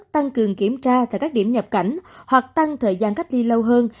tăng cường kiểm tra tại các điểm nhập cảnh hoặc tăng thời gian cách ly lâu hơn